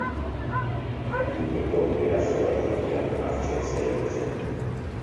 Lurreko eraso bat hiria hartzen saiatu zen.